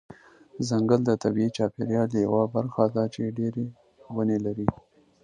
ځنګل د طبیعي چاپیریال یوه برخه ده چې ډیری ونه لري.